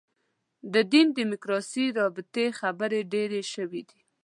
د دین دیموکراسي رابطې خبرې ډېرې شوې دي.